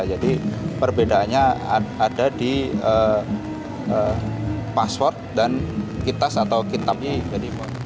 jadi perbedaannya ada di password dan kitas atau kitabnya